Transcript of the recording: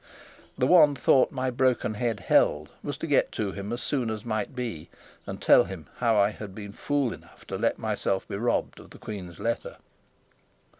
The one thought my broken head held was to get to him as soon as might be and tell him how I had been fool enough to let myself be robbed of the queen's letter.